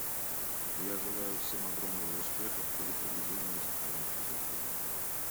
Я желаю всем огромного успеха в ходе проведения этих важных обсуждений.